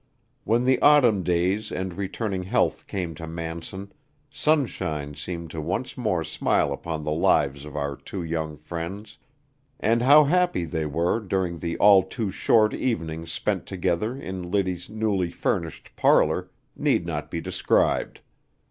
When the autumn days and returning health came to Manson, sunshine seemed to once more smile upon the lives of our two young friends, and how happy they were during the all too short evenings spent together in Liddy's newly furnished parlor, need not be described.